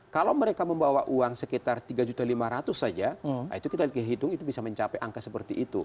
kalau mereka membawa uang sekitar tiga lima ratus saja itu kita hitung itu bisa mencapai angka seperti itu